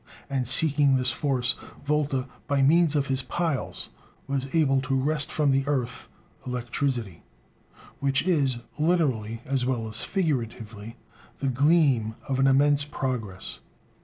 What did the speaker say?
And seeking this force, Volta, by means of his piles, was able to wrest from the earth electricity, which is, literally as well as figuratively, the "gleam" of an immense progress.